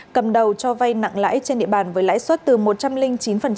cầm đầu cho vay nặng lãi trên địa bàn với lãi suất từ một trăm linh chín đến một trăm linh chín